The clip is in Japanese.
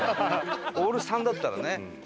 オール「３」だったらね。